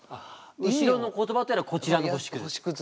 後ろの言葉っていうのはこちらの「星屑」。